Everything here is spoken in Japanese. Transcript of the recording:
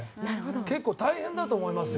結構、大変だと思いますよ。